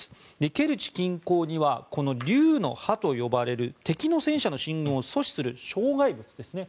ケルチ近郊には竜の歯と呼ばれる敵の戦車の進軍を阻止する障害物ですね